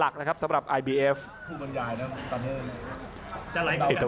อัศวินาศาสตร์